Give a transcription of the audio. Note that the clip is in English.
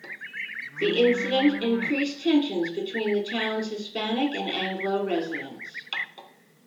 The incident increased tensions between the town's Hispanic and Anglo residents.